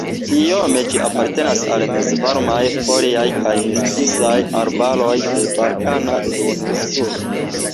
Biome ĝi apartenas al mezvarmaj foliaj kaj miksaj arbaroj de Balkana Duoninsulo.